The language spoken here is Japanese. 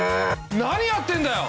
何やってんだよ？